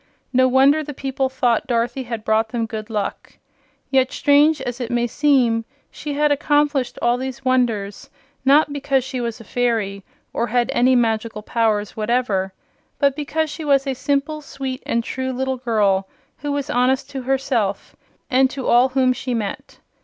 No wonder the people thought Dorothy had brought them good luck! Yet, strange as it may seem, she had accomplished all these wonders not because she was a fairy or had any magical powers whatever, but because she was a simple, sweet and true little girl who was honest to herself and to all whom she met.